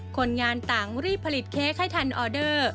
คนงานต่างรีบผลิตเค้กให้ทันออเดอร์